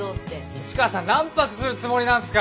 市川さん何泊するつもりなんすか！